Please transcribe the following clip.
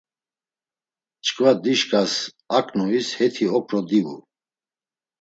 Çkva dişkas aǩnuis heti okro divu.